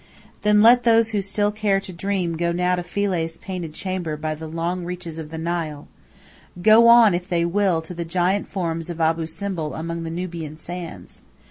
Then let those who still care to dream go now to Philae's painted chamber by the long reaches of the Nile; go on, if they will, to the giant forms of Abu Simbel among the Nubian sands.